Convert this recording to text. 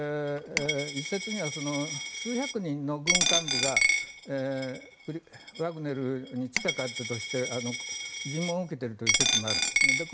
一説には数百人の軍幹部がワグネルに近かったとして尋問を受けているという説もあるんですね。